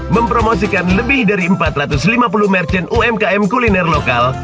mempromosikan lebih dari empat ratus lima puluh merchant umkm kuliner lokal